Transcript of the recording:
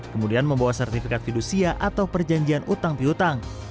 kemudian membawa sertifikat fidusia atau perjanjian hutang pihutang